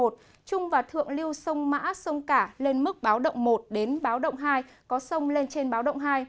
trung và thượng lưu sông mã sông cả lên mức báo động một đến báo động hai có sông lên trên báo động hai